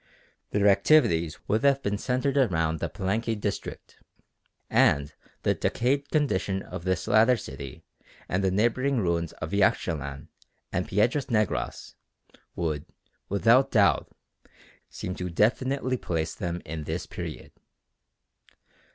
Their activities would have been centred around the Palenque district, and the decayed condition of this latter city and the neighbouring ruins of Yaxchilan and Piedras Negras would without doubt seem to definitely place them in this period.